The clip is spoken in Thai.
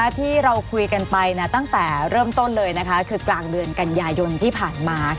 ที่เราคุยกันไปตั้งแต่เริ่มต้นเลยนะคะคือกลางเดือนกันยายนที่ผ่านมา